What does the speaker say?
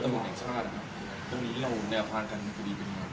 ตอนนี้เราเนยาพาลกันกรรมกดีเป็นยังไงครับ